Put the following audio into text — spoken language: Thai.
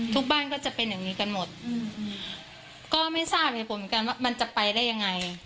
บ้านก็จะเป็นอย่างนี้กันหมดก็ไม่ทราบเหตุผลเหมือนกันว่ามันจะไปได้ยังไง